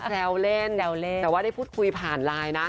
แซวเล่นแซวเล่นแต่ว่าได้พูดคุยผ่านไลน์นะ